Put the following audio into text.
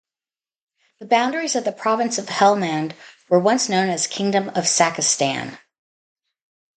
The boundaries of the province of Helmand were once known as kingdom of Sakastan.